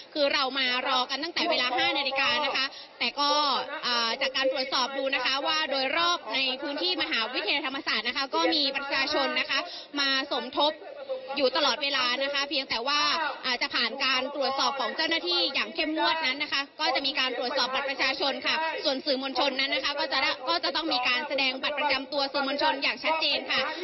คือเรามารอกันตั้งแต่เวลา๕นาฬิกานะคะแต่ก็จากการตรวจสอบดูนะคะว่าโดยรอบในพื้นที่มหาวิทยาธรรมศาสตร์นะคะก็มีประชาชนนะคะมาสมทบอยู่ตลอดเวลานะคะเพียงแต่ว่าจะผ่านการตรวจสอบของเจ้าหน้าที่อย่างเข้มมวดนั้นนะคะก็จะมีการตรวจสอบบัตรประชาชนค่ะ